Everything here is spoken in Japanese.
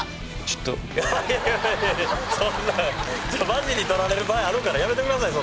ちょっとそんなマジにとられる場合あるからやめてください